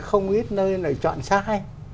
không biết nơi lại chọn sai